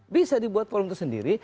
bisa dibuat forum itu sendiri